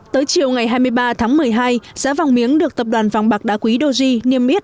tới chiều ngày hai mươi ba tháng một mươi hai giá vàng miếng được tập đoàn vàng bạc đá quý doji niêm yết